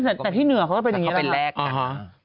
แต่ที่เหนือเขาก็เป็นแหลกนะ